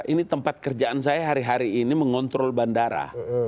ini tempat kerjaan saya hari hari ini mengontrol bandara